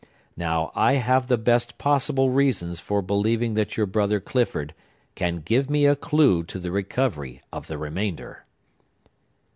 Now, I have the best possible reasons for believing that your brother Clifford can give me a clew to the recovery of the remainder."